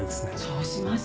そうします。